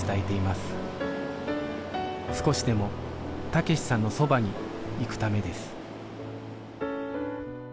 少しでも武志さんのそばに行くためです